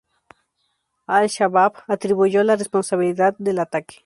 Al-Shabbaab atribuyó la responsabilidad del ataque.